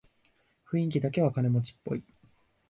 雰囲気だけは金持ちっぽい